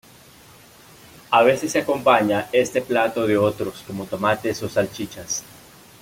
A veces se acompaña este plato de otros como tomates o salchichas.